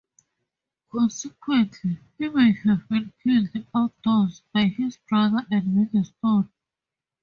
Consequently, he may have been killed outdoors, by his brother and with a stone.